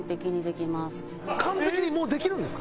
完璧にもうできるんですか？